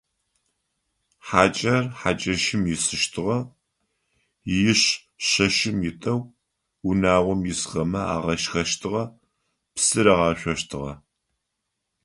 Хьакӏэр хьакӏэщым исыщтыгъэ, иш шэщым итэу унагъом исхэмэ агъашхэщтыгъэ, псы рагъашъощтыгъэ.